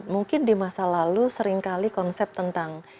mungkin di masa lalu seringkali konsep tentang